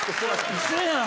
ウソやん。